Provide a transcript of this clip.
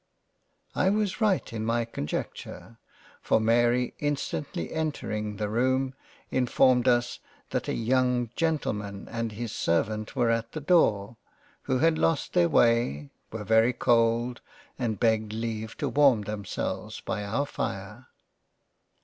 I was right in my conjecture ; for Mary instantly entering the Room, informed us that a young Gentleman and his Servant were at the door, who had lossed their way, were very cold and begged leave to warm themselves by our fire.